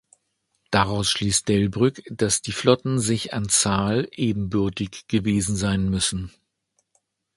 Daraus schließt Delbrück, dass die Flotten sich an Zahl ebenbürtig gewesen sein müssen.